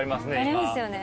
ありますよね。